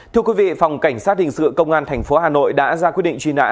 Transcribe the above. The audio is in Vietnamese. thưa quý vị phòng cảnh sát hình sự công an tp hà nội đã ra quyết định truy nã